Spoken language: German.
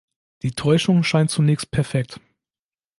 Die Täuschung scheint zunächst perfekt.